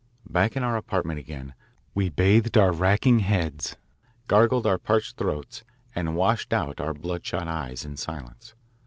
Back in our apartment again we bathed our racking heads, gargled our parched throats, and washed out our bloodshot eyes, in silence.